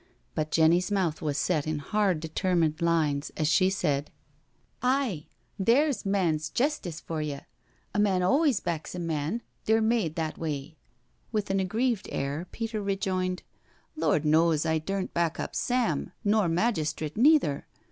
But Jenny's mouth was set in bard determined lines as she said :^ IN THE BLACK COUNTRY n " Aye« there's man's jestice for you I A man always backs a man — they're made that way." With an aggrieved air Peter rejoined: " Lord knows I durnt back up Sam nor majistrit neither.